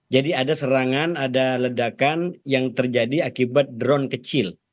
jadi ada serangan ada ledakan yang terjadi akibat drone kecil